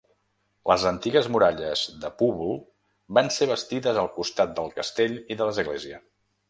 Les antigues muralles de Púbol van ser bastides al costat del castell i de l'església.